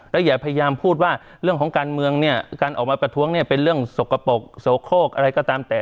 แล้วอย่าพยายามพูดว่าเรื่องของการเมืองเนี่ยการออกมาประท้วงเนี่ยเป็นเรื่องสกปรกโสโคกอะไรก็ตามแต่